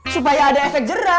supaya ada efek jerah